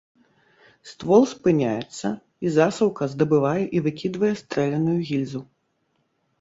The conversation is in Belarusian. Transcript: Ствол спыняецца, і засаўка здабывае і выкідвае стрэляную гільзу.